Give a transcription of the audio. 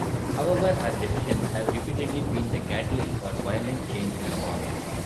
However, her decisions have repeatedly been the catalyst for violent change and war.